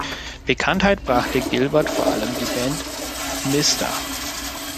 Bekanntheit brachte Gilbert vor allem die Band Mr.